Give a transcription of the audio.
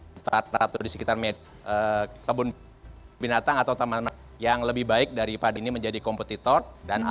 satu di sekitar kebun binatang atau tempat yang lebih baik daripada ini menjadi kompetitor